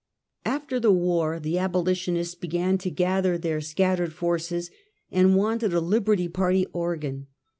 . Aftee the war, abolitionists began to gather their scattered forces and wanted a Liberty Party organ.